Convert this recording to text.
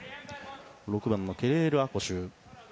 ６番のケレール・アコシュ。